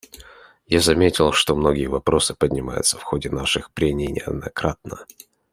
Я заметил, что многие вопросы поднимаются в ходе наших прений неоднократно.